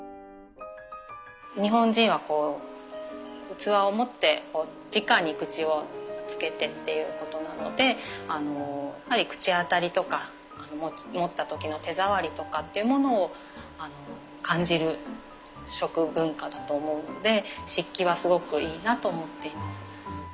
日本人はこう器を持ってじかに口をつけてっていうことなのでやっぱり口当たりとか持った時の手触りとかっていうものを感じる食文化だと思うので漆器はすごくいいなと思っています。